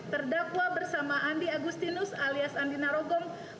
terdakwa bersama andi agustinus alias andi narogong